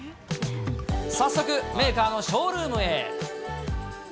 早速、メーカーのショールームへ。